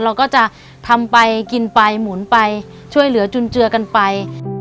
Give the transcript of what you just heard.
เราก็จะทำไปกินไปหมุนไปช่วยเหลือจุนเจือกันไป